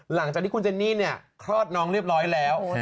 หลังจากที่คุณเจนนี่เนี่ยคลอดน้องเรียบร้อยแล้ว